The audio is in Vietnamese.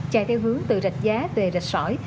chạy theo hướng từ rạch giá về rạch sỏi